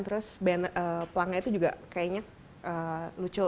terus pelanggannya itu juga kayaknya lucu